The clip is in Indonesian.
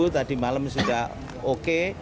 tadi malam sudah oke